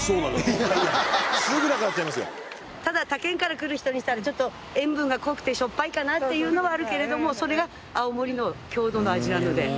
ただ他県から来る人にしたらちょっと塩分が濃くてしょっぱいかなっていうのはあるけれども。